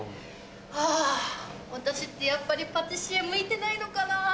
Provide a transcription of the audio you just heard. あ私ってやっぱりパティシエ向いてないのかなぁ。